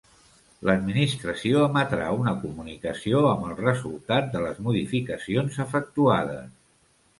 L'Administració emetrà una comunicació amb el resultat de les modificacions efectuades.